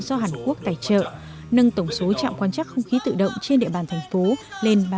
do hàn quốc tài trợ nâng tổng số trạm quan trắc không khí tự động trên địa bàn thành phố lên ba mươi năm trạm